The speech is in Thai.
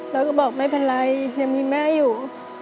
แล้วก็บอกไม่เป็นไรยังมีแม่อยู่